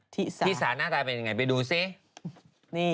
ที่สาหน้าตาเป็นยังไงไปดูซิ